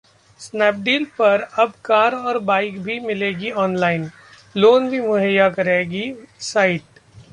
Snapdeal पर अब car और बाइक भी मिलेगी ऑनलाइन, लोन भी मुहैया कराएगी साइट